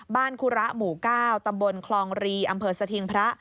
คุระหมู่๙ตำบลคลองรีอำเภอสถิงพระ